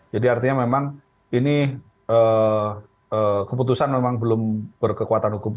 jadi artinya memang ini keputusan memang belum berkekuatan hukum